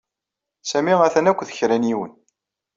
Sami atan akked kra n yiwen.